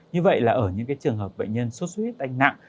như vậy là ở những trường hợp bệnh nhân sốt xuất huyết tăng nặng